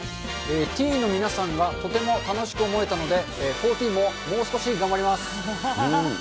ティーンの皆さんはとても頼もしく思えたので、フォーティーンももう少し頑張ります。